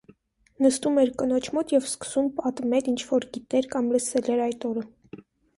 Նստում էր կնոջ մոտ և սկսում պատմել, ինչ որ գիտեր կամ լսել էր այդ օրը: